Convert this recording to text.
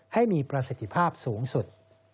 ให้มีประสิทธิภาพสูงสุด